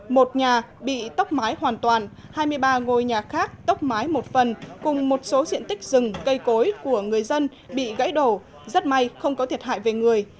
một nhà bị tốc mái hoàn toàn hai mươi ba ngôi nhà khác tốc mái một phần cùng một số diện tích rừng cây cối của người dân bị gãy đổ rất may không có thiệt hại về người